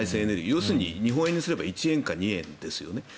要するに、日本円にすると１円か２円ですよね。